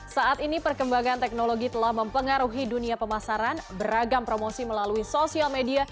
saat ini perkembangan teknologi telah mempengaruhi dunia pemasaran beragam promosi melalui sosial media